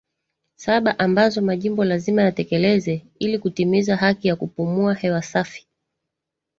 saba ambazo Majimbo lazima yatekeleze ili kutimiza haki ya kupumua hewa safi